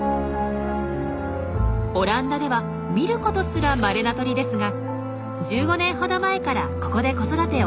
オランダでは見ることすらまれな鳥ですが１５年ほど前からここで子育てを始めました。